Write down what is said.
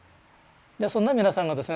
そんな皆さんがですね